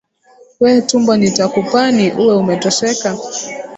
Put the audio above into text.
We tumbo nitakupani, uwe umetosheka?